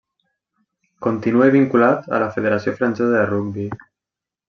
Continua vinculat a la Federació Francesa de Rugbi.